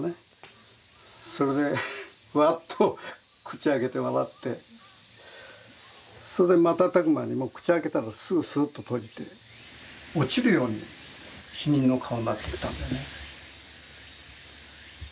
それでワッと口を開けて笑ってそれで瞬く間にもう口開けたらすぐスッと閉じて落ちるように死人の顔になってったんだよね。